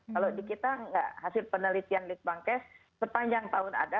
kalau di kita hasil penelitian litbangkes sepanjang tahun ada